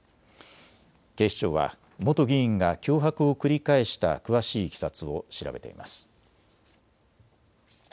警視庁は元議員が脅迫を繰り返した詳しいいきさつを調べています。